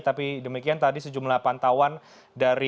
tapi demikian tadi sejumlah pantauan dari